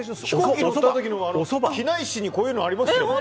機内誌にこういうのありますよね。